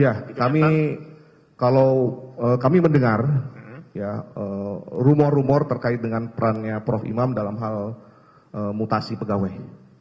ya kami kalau kami mendengar rumor rumor terkait dengan perannya prof imam dalam hal mutasi pegawai